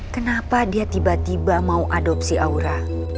kenapa dia tiba tiba mau adopsi aura